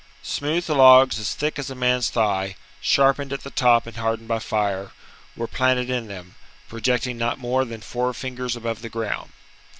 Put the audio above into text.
Smooth logs, as thick as a man's thigh, sharpened at the top and hardened by fire, were planted in them, projecting not more than four fingers alDOve the ground.